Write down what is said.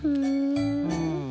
うん。